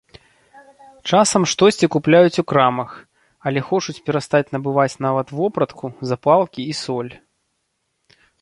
Часам штосьці купляюць у крамах, але хочуць перастаць набываць нават вопратку, запалкі і соль.